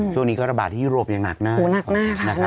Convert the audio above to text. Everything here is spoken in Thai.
ช่วงนี้ก็ระบาดที่ยุโรปยังหนักหน้า